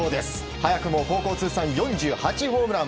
早くも高校通算４８ホームラン。